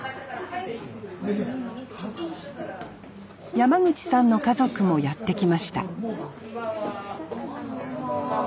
山口さんの家族もやって来ましたこんばんは。